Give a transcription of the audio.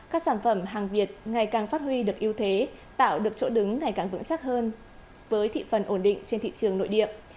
các sản phẩm hàng việt ngày càng phát huy được ưu thế tạo được chỗ đứng ngày càng vững chắc hơn với thị phần ổn định trên thị trường nội địa